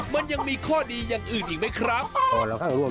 มันยังมีข้อดีอย่างอื่นอีกไหมครับ